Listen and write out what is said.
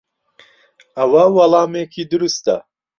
ئەوە وەڵامێکی دروستە.